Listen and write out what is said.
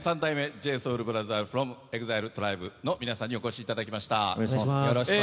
ＪＳＯＵＬＢＲＯＴＨＥＲＳｆｒｏｍＥＸＩＬＥＴＲＩＢＥの皆さんにお越しいただきました。